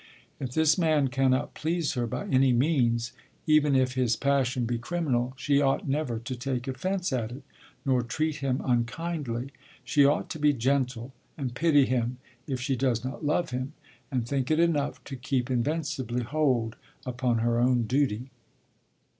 If this man cannot please her by any means, even if his passion be criminal, she ought never to take offence at it, nor treat him unkindly; she ought to be gentle, and pity him, if she does not love him, and think it enough to keep invincibly hold upon her own duty.